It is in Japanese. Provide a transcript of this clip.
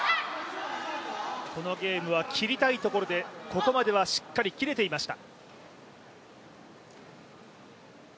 このゲームは切りたいところで、ここまではしっかり切れていました。